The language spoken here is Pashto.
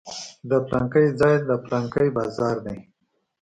چې دا پلانکى ځاى دى دا پلانکى بازار دى.